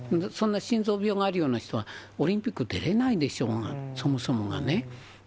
そんな心臓病があるような人がオリンピック出れないでしょうが、そもそもがね。